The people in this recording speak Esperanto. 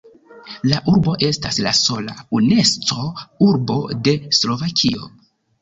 La urbo estas la sola „Unesco-urbo“ de Slovakio.